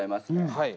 はい。